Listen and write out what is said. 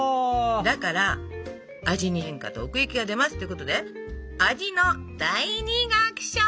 だから味に変化と奥行きが出ますっていうことで味の第二楽章！